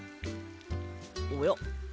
おや？